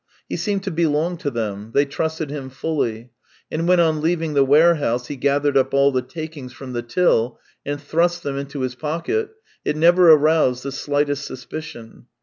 He seemed to belong to them — they trusted him fully ; and when on leaving the ware house he gathered up all the takings from the till and thrust them into his pocket, it neveraroused the slightest suspicion.